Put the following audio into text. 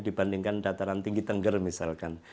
dibandingkan dataran tinggi tengger misalkan